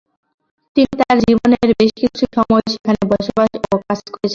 তিনি তাঁর জীবনের বেশ কিছু সময় সেখানে বসবাস ও কাজ করেছিলেন।